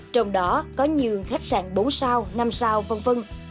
trong đó có nhiều khách sạn bốn sao năm sao v v